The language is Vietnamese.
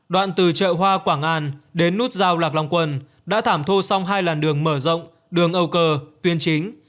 đoạn từ chợ hoa quảng an đến nút giao lạc long quần đã thảm thô xong hai làn đường mở rộng đường âu cơ tuyến chính